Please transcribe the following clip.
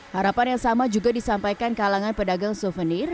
harapan yang sama juga disampaikan kalangan pedagang souvenir